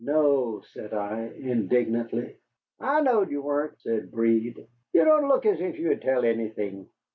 "No," said I, indignantly. "I knowed you wahn't," said Breed. "You don' look as if you'd tell anything."